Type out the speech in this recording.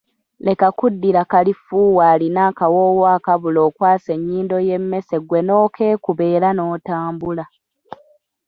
Leka kuddira kalifuuwa alina akawoowo akabula okwasa ennyindo y’emmese ggwe n’okeekuba era n’otambula!